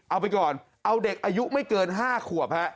เอาไปก่อนเอาเด็กอายุไม่เกิน๕ขวบฮะ